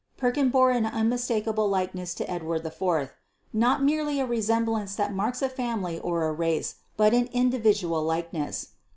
Perkin bore an unmistakable likeness to Edward IV. Not merely that resemblance which marks a family or a race but an individual likeness.